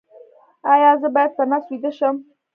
ایا زه باید په نس ویده شم؟